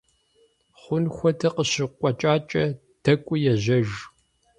Хъун хуэдэ къыщыкъуэкӀакӀэ, дэкӀуи ежьэж.